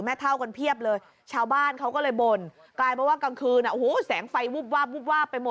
แล้วช่วงแบบนี้